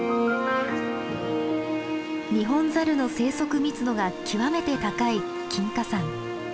ニホンザルの生息密度が極めて高い金華山。